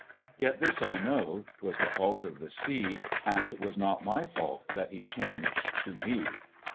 Yet this I know 'twas the fault of the Sea, And was not my fault, that he changed to me.